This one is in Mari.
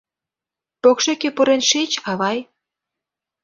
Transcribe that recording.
Покшеке пурен шич, авай!